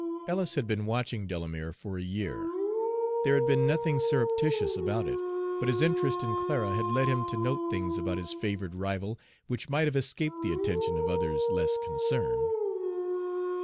Ellis had been watching Delamere for a year. There had been nothing surreptitious about it, but his interest in Clara had led him to note things about his favored rival which might have escaped the attention of others less concerned.